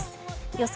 予想